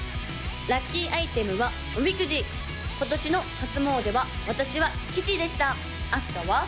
ラッキーアイテムはおみくじ今年の初詣は私は吉でしたあすかは？